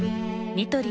ニトリ